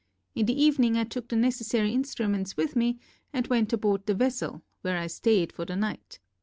In the evening I took the necessary instruments with me and went aboard the vessel where I stayed for the night.